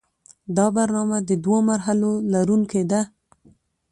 دا برنامه د دوو مرحلو لرونکې ده.